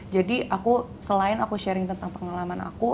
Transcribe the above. jadi aku selain aku sharing tentang pengalaman aku